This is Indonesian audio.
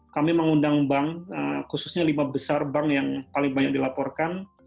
kami mengundang bank khususnya lima besar bank yang paling banyak dilaporkan